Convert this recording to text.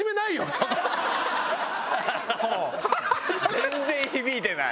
全然響いてない。